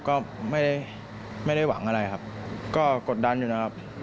ก็ไม่ได้ไม่ได้หวังอะไรครับก็กดดันอยู่นะครับ